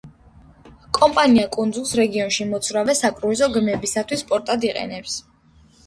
კომპანია კუნძულს რეგიონში მოცურავე საკრუიზო გემებისათვის პორტად იყენებს.